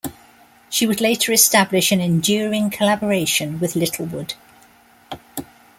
She would later establish an enduring collaboration with Littlewood.